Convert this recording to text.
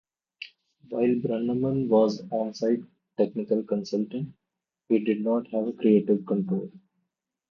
While Brannaman was the on-site technical consultant, he did not have creative control.